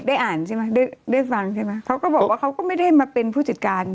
อ่านใช่ไหมได้ฟังใช่ไหมเขาก็บอกว่าเขาก็ไม่ได้มาเป็นผู้จัดการ